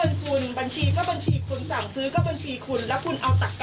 เงินก็เงินคุณบัญชีก็บัญชีคุณสั่งซื้อก็บัญชีคุณ